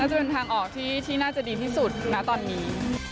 จะเป็นทางออกที่น่าจะดีที่สุดณตอนนี้